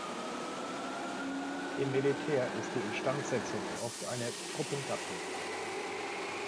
Im Militär ist die Instandsetzung oft eine Truppengattung.